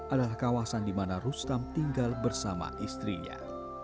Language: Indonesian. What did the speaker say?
adalah kawasan di mana rustam tinggal bersama istrinya